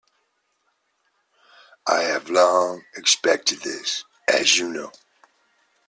I have long expected this, as you know.